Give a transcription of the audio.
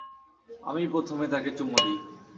আমিই প্রথমে তাকে চুমো দিই।